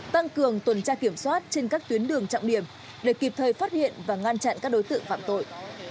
tăng cường tuần tra kiểm soát trên các tuyến đường trọng điểm để kịp thời phát hiện và ngăn chặn các đối tượng phạm tội